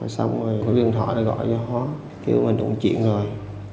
xong rồi có điện thoại gọi cho họ kêu mình đụng chuyện rồi